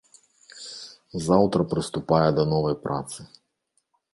Заўтра прыступае да новай працы.